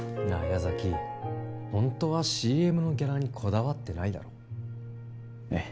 矢崎ホントはＣＭのギャラにこだわってないだろえっ？